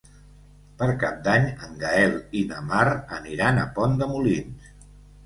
Per Cap d'Any en Gaël i na Mar aniran a Pont de Molins.